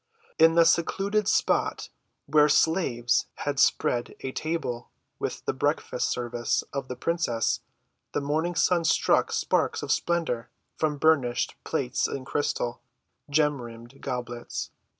In the secluded spot where slaves had spread a table with the breakfast‐ service of the princess, the morning sun struck sparks of splendor from burnished plates and crystal, gem‐rimmed goblets.